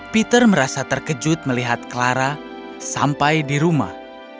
peter merasa terkejut melihat clara sampai di rumah